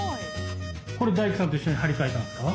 これ大工さんと一緒に張り替えたんですか？